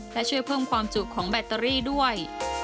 และช่วยเพิ่มความจุของแบตเตอรี่ด้วย